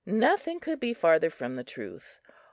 Nothing could be farther from the truth.